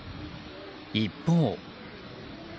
一方。